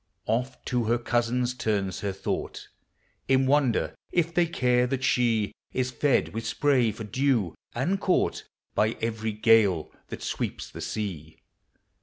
Oft to her cousins turns her thought, In wonder if they care thai she Is fed with spray for dew. and caught By every gale that sweeps the sea.